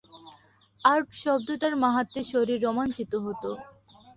Art শব্দটার মাহাত্ম্যে শরীর রোমাঞ্চিত হত।